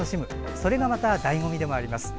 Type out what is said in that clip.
それがまただいご味でもあります。